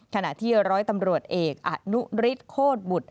ขณะที่๑๐๐ตำรวจเอกอ่านุริษฐ์โคตรบุตร